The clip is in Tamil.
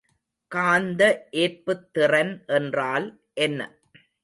காந்த ஏற்புத்திறன் என்றால் என்ன?